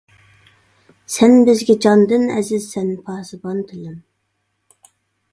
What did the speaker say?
سەن بىزگە جاندىن ئەزىزسەن پاسىبان تىلىم.